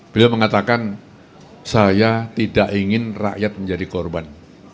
beliau mengatakan saya tidak ingin rakyat menjadi korban